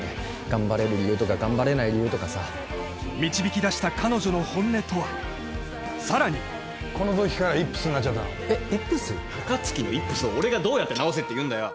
頑張れる理由とか頑張れない理由とかさ導き出した彼女の本音とはさらにこの時からイップスになっちゃったの高槻のイップスを俺がどうやって治せっていうんだよ